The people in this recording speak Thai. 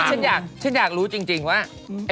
นี่ฉันอยากฉันอยากรู้จริงว่า